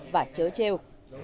và chớ trêu